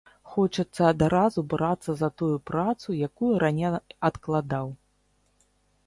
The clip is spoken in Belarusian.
Хочацца адразу брацца за тую працу, якую раней адкладаў.